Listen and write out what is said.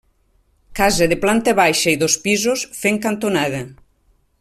Casa de planta baixa i dos pisos, fent cantonada.